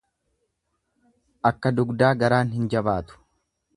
Akka dugdaa garaan hin jabaatu.